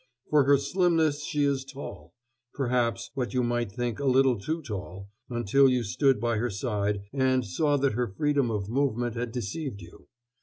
For her slimness she is tall, perhaps, what you might think a little too tall until you stood by her side and saw that her freedom of movement had deceived you.